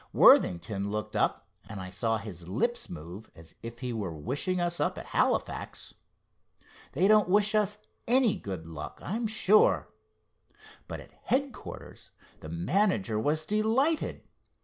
Worthington looked up, and I saw his lips move as if he were wishing us up at Halifax. They don't wish us any good luck I'm sure. But at headquarters the manager was delighted.